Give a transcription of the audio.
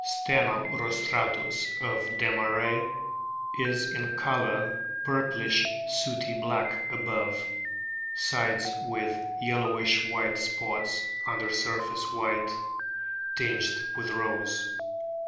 Steno rostratus, of Desmarest,* is in colour purplish sooty black above, sides with yellowish white spots under surface white, tinged with rose.